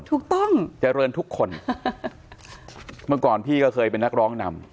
ถูกต้องเจริญทุกคนเมื่อก่อนพี่ก็เคยเป็นนักร้องนำ